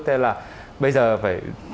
thế là bây giờ phải